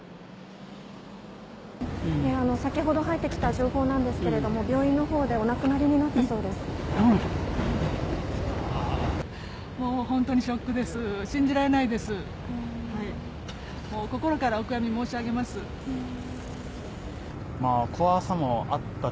先ほど入ってきた情報なんですけれども、病院のほうでお亡くなりになったそうです。え、亡くなった？